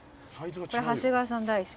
「これ長谷川さん大好き」